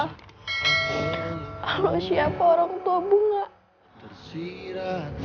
kalau siapa orang tua bunga